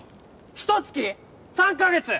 ひと月？３カ月？